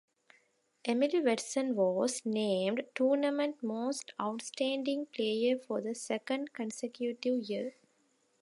Emily Watson was named Tournament Most Outstanding Player for the second consecutive year.